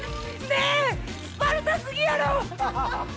ねえ、スパルタすぎやろ！